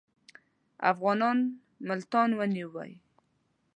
افغانانو ملتان ونیوی.